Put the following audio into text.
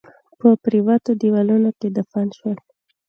په پريوتو ديوالونو کښ دفن شول